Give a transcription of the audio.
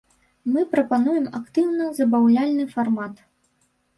Мы прапануем актыўны забаўляльны фармат.